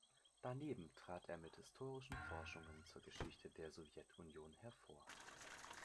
Daneben trat er mit historischen Forschungen zur Geschichte der Sowjetunion hervor.